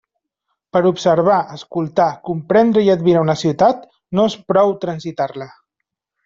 Per a observar, escoltar, comprendre i admirar una ciutat no és prou transitar-la.